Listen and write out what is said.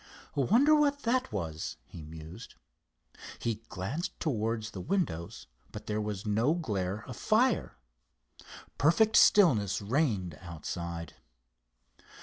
"Wonder what that was?" he mused. He glanced towards the windows, but there was no glare of fire. Perfect stillness reigned outside.